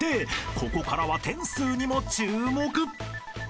［ここからは点数にも注目］